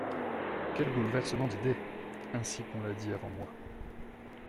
Quel bouleversement d'idées !» ainsi qu'on l'a dit avant moi.